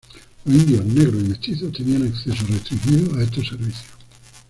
Los indios, negros y mestizos tenían acceso restringido a estos servicios.